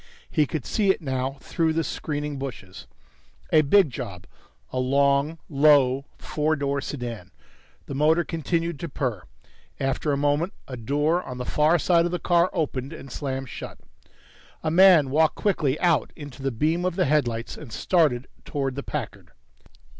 He could see it now through the screening bushes a big job, a long, low four door sedan. The motor continued to purr. After a moment, a door on the far side of the car opened and slammed shut. A man walked quickly out into the beam of the headlights and started towards the Packard.